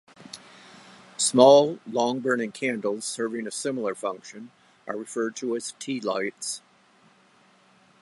Small long-burning candles serving a similar function are referred to as "tealights".